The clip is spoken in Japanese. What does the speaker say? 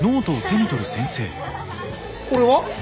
これは？